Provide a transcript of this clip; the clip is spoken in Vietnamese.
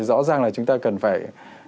rõ ràng là chúng ta cần phải